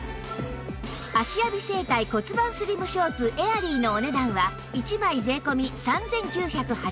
芦屋美整体骨盤スリムショーツエアリーのお値段は１枚税込３９８０円